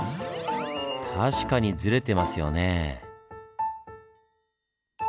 確かにズレてますよねぇ。